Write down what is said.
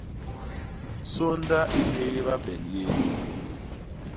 Sônda i hééba ben yéé.